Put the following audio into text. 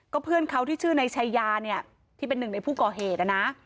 เพื่อนเขาที่ชื่อนายชายาเนี่ยที่เป็นหนึ่งในผู้ก่อเหตุนะ